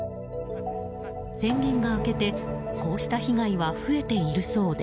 宣言が明けて、こうした被害は増えているそうで。